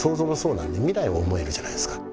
なんで未来を想えるじゃないですか